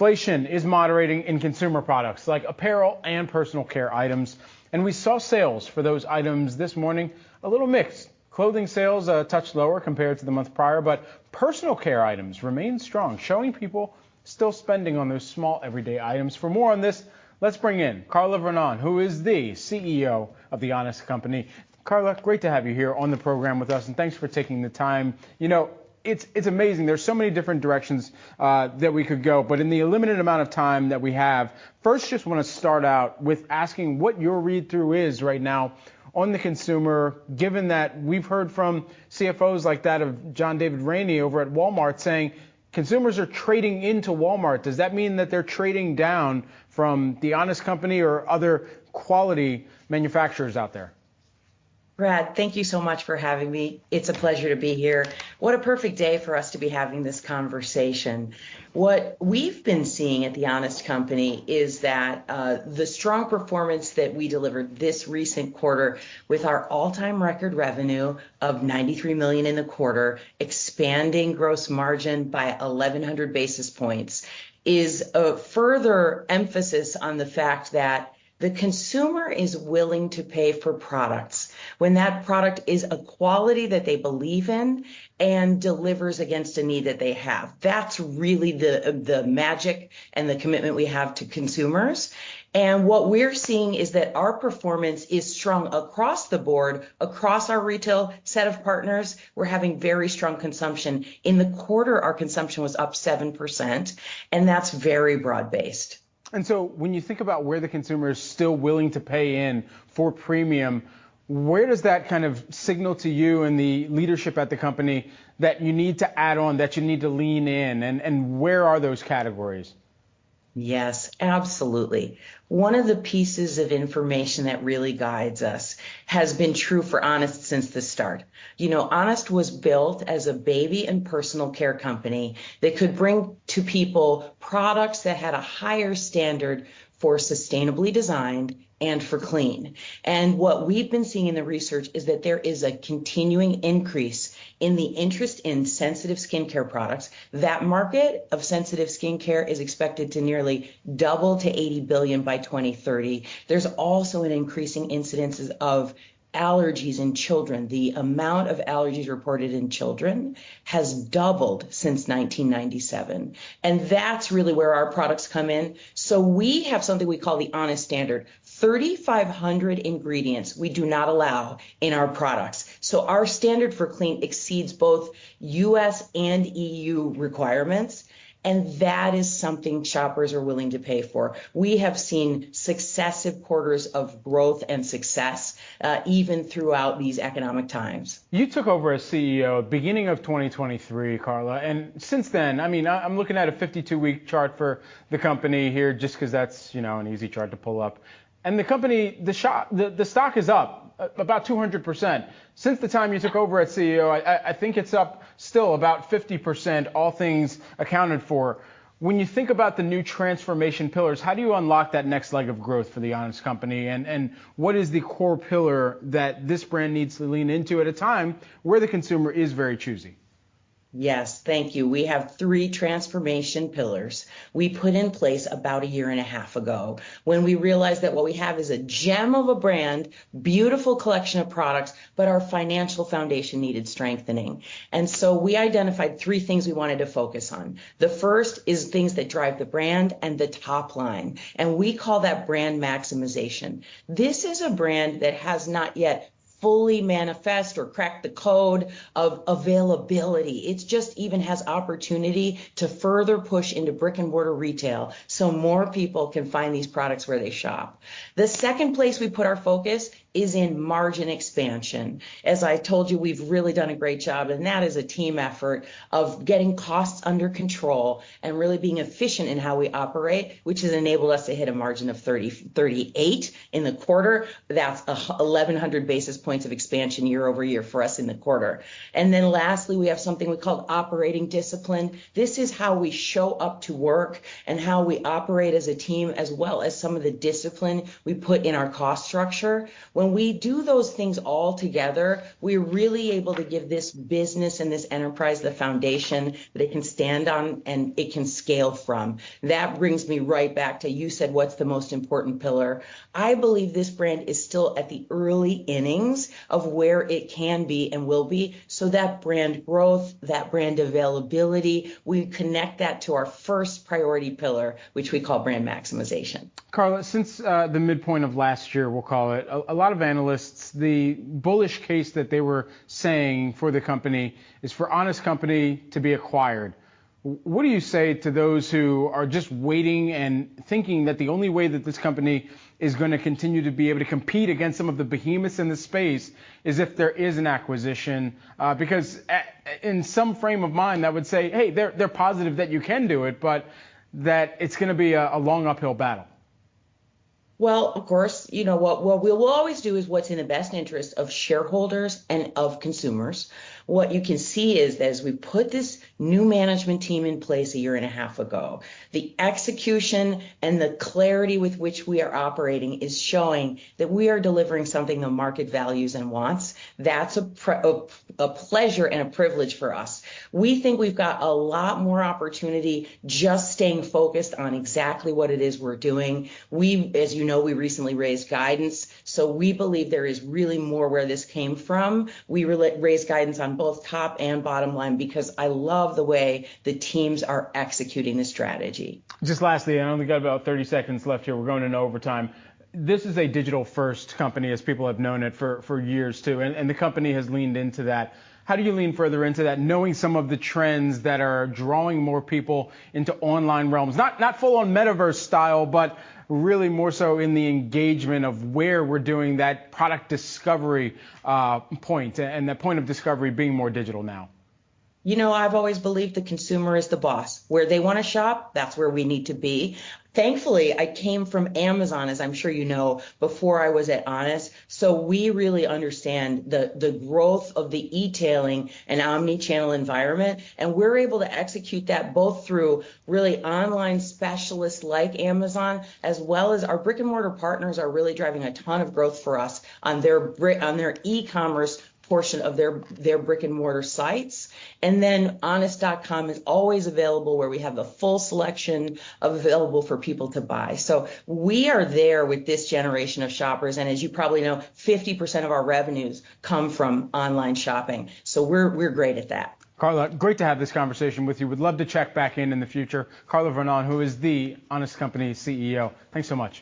inflation is moderating in consumer products, like apparel and personal care items, and we saw sales for those items this morning, a little mixed. Clothing sales, a touch lower compared to the month prior, but personal care items remained strong, showing people still spending on those small, everyday items. For more on this, let's bring in Carla Vernón, who is the CEO of The Honest Company. Carla, great to have you here on the program with us, and thanks for taking the time. You know, it's, it's amazing. There's so many different directions, that we could go, but in the limited amount of time that we have, first just wanna start out with asking what your read-through is right now on the consumer, given that we've heard from CFOs like that of John David Rainey over at Walmart saying consumers are trading into Walmart. Does that mean that they're trading down from The Honest Company or other quality manufacturers out there? Brad, thank you so much for having me. It's a pleasure to be here. What a perfect day for us to be having this conversation. What we've been seeing at The Honest Company is that, the strong performance that we delivered this recent quarter, with our all-time record revenue of $93 million in the quarter, expanding gross margin by 1,100 basis points, is a further emphasis on the fact that the consumer is willing to pay for products when that product is a quality that they believe in and delivers against a need that they have. That's really the, the magic and the commitment we have to consumers, and what we're seeing is that our performance is strong across the board. Across our retail set of partners, we're having very strong consumption. In the quarter, our consumption was up 7%, and that's very broad-based. And so when you think about where the consumer is still willing to pay in for premium, where does that kind of signal to you and the leadership at the company that you need to add on, that you need to lean in, and where are those categories? Yes, absolutely. One of the pieces of information that really guides us has been true for Honest since the start. You know, Honest was built as a baby and personal care company that could bring to people products that had a higher standard for sustainably designed and for clean, and what we've been seeing in the research is that there is a continuing increase in the interest in sensitive skincare products. That market of sensitive skincare is expected to nearly double to 80 billion by 2030. There's also an increasing incidence of allergies in children. The amount of allergies reported in children has doubled since 1997, and that's really where our products come in. So we have something we call the Honest Standard. 3,500 ingredients we do not allow in our products, so our standard for clean exceeds both U.S. and E.U. requirements, and that is something shoppers are willing to pay for. We have seen successive quarters of growth and success, even throughout these economic times. You took over as CEO beginning of 2023, Carla, and since then... I mean, I'm looking at a 52-week chart for the company here, just 'cause that's, you know, an easy chart to pull up, and the company, the stock is up, about 200%. Since the time you took over as CEO, I think it's up still about 50%, all things accounted for. When you think about the new transformation pillars, how do you unlock that next leg of growth for The Honest Company, and what is the core pillar that this brand needs to lean into at a time where the consumer is very choosy? Yes. Thank you. We have three transformation pillars we put in place about a year and a half ago, when we realized that what we have is a gem of a brand, beautiful collection of products, but our financial foundation needed strengthening, and so we identified three things we wanted to focus on. The first is things that drive the brand and the top line, and we call that brand maximization. This is a brand that has not yet fully manifest or cracked the code of availability. It's just even has opportunity to further push into brick-and-mortar retail, so more people can find these products where they shop. The second place we put our focus is in margin expansion. As I told you, we've really done a great job, and that is a team effort of getting costs under control and really being efficient in how we operate, which has enabled us to hit a margin of 38% in the quarter. That's a 1,100 basis points of expansion year over year for us in the quarter. And then lastly, we have something we call operating discipline. This is how we show up to work and how we operate as a team, as well as some of the discipline we put in our cost structure. When we do those things all together, we're really able to give this business and this enterprise the foundation that it can stand on, and it can scale from. That brings me right back to, you said, "What's the most important pillar?" I believe this brand is still at the early innings of where it can be and will be, so that brand growth, that brand availability, we connect that to our first priority pillar, which we call brand maximization. Carla, since the midpoint of last year, we'll call it, a lot of analysts, the bullish case that they were saying for the company is for Honest Company to be acquired. What do you say to those who are just waiting and thinking that the only way that this company is gonna continue to be able to compete against some of the behemoths in the space is if there is an acquisition? Because, in some frame of mind, that would say, "Hey, they're positive that you can do it," but that it's gonna be a long, uphill battle. Of course, you know, what we will always do is what's in the best interest of shareholders and of consumers. What you can see is, as we put this new management team in place a year and a half ago, the execution and the clarity with which we are operating is showing that we are delivering something the market values and wants. That's a pleasure and a privilege for us. We think we've got a lot more opportunity, just staying focused on exactly what it is we're doing. We, as you know, we recently raised guidance, so we believe there is really more where this came from. We raised guidance on both top and bottom line, because I love the way the teams are executing the strategy. Just lastly, I only got about 30 seconds left here. We're going into overtime. This is a digital-first company, as people have known it for years, too, and the company has leaned into that. How do you lean further into that, knowing some of the trends that are drawing more people into online realms? Not full-on metaverse style, but really more so in the engagement of where we're doing that product discovery, point, and the point of discovery being more digital now. You know, I've always believed the consumer is the boss. Where they wanna shop, that's where we need to be. Thankfully, I came from Amazon, as I'm sure you know, before I was at Honest, so we really understand the growth of the e-tailing and omnichannel environment, and we're able to execute that both through really online specialists like Amazon, as well as our brick-and-mortar partners are really driving a ton of growth for us on their e-commerce portion of their brick-and-mortar sites. And then Honest.com is always available, where we have the full selection available for people to buy. So we are there with this generation of shoppers, and as you probably know, 50% of our revenues come from online shopping, so we're great at that. Carla, great to have this conversation with you. Would love to check back in the future. Carla Vernón, who is The Honest Company CEO, thanks so much.